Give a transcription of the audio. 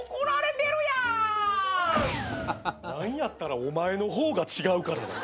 何やったらお前の方が違うからな。